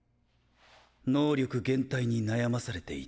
能力減退に悩まされていた。